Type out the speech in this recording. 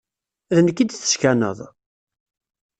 D nekk i d-teskaneḍ?